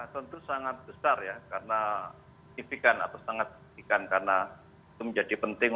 tentu sangat besar ya karena tipikan atau sangat signifikan karena itu menjadi penting